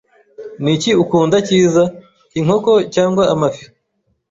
Niki ukunda cyiza, inkoko cyangwa amafi?